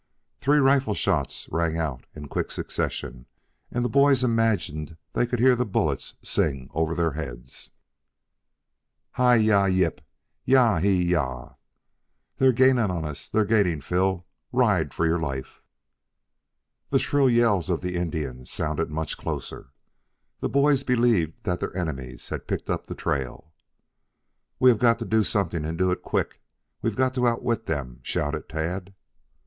Three rifle shots rang out in quick succession, and the boys imagined they could hear the bullets sing over their heads. "Hi yi yip yah hi yah!" "They're gaining on us. They're gaining, Phil. Ride for your life!" The shrill yells of the Indians sounded much closer. The boys believed that their enemies had picked up the trail. "We have got to do something, and do it quick. We've got to outwit them," shouted Tad.